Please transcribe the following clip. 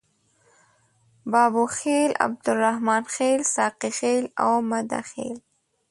بابوخیل، عبدالرحمن خیل، ساقي خیل او مده خیل.